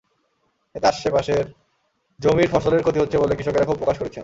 এতে আশপাশের জমির ফসলের ক্ষতি হচ্ছে বলে কৃষকেরা ক্ষোভ প্রকাশ করেছেন।